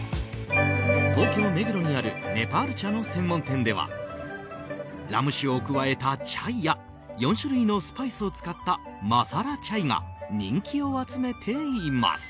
東京・目黒にあるネパール茶の専門店ではラム酒を加えたチャイや４種類のスパイスを使ったマサラチャイが人気を集めています。